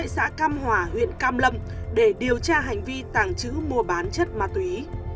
xã cam hòa huyện cam lâm để điều tra hành vi tàng trữ mua bán chất ma túy